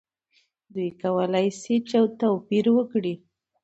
دوی کولی شي توپیر وکړي.